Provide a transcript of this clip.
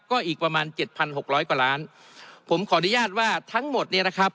ก็อีกประมาณเจ็ดพันหกร้อยกว่าล้านผมขออนุญาตว่าทั้งหมดเนี่ยนะครับ